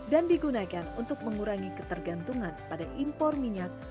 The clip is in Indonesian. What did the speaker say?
dan digunakan untuk mengurangi ketergantungan pada impor minyak